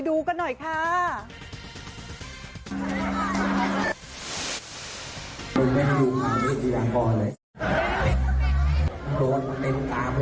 กูก็เต็มกว่าปากกูก็ไม่ค่อยดีด้วย